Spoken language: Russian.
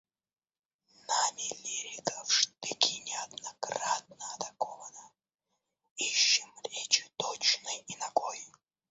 Нами лирика в штыки неоднократно атакована, ищем речи точной и нагой.